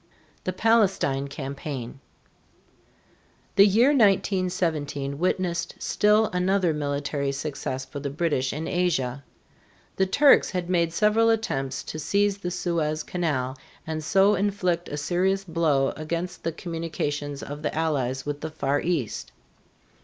THE PALESTINE CAMPAIGN. The year 1917 witnessed still another military success for the British in Asia. The Turks had made several attempts to seize the Suez Canal and so inflict a serious blow against the communications of the Allies with the Far East.